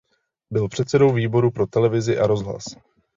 Byl předsedou výboru pro televizi a rozhlas.